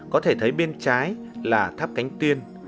có thể thấy bên trái là tháp cánh tiên